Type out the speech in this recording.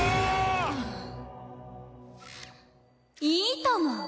いいとも。